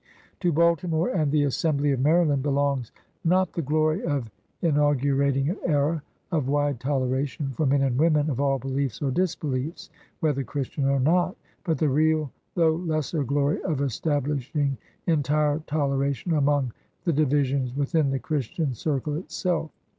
To Balti more and the Assembly of Maryland belongs, not 10 146 PIONEERS OF THE OLD SOUTH 1 I the glory of inaugurating an era of wide toleration for men and women of all beliefs or disbeliefs, whether Christian or not, but the real though lesser glory of establishing entire toleration among the divisions within the C3iristian circle itself.